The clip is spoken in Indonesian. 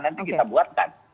nanti kita buatkan